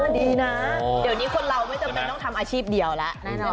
ดีนะเดี๋ยวนี้คนเราไม่จำเป็นต้องทำอาชีพเดียวแล้วแน่นอน